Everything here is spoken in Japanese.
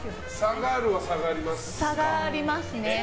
下がりますね。